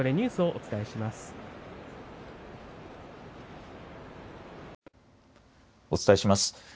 お伝えします。